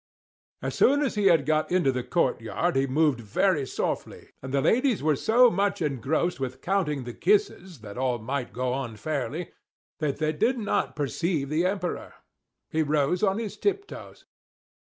As soon as he had got into the court yard, he moved very softly, and the ladies were so much engrossed with counting the kisses, that all might go on fairly, that they did not perceive the Emperor. He rose on his tiptoes.